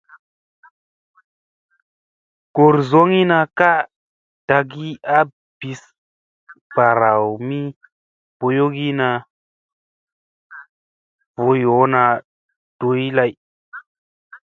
Goor zogina ka ɗagi a bus baraw mi boyginadi, vo yoona doydi lay.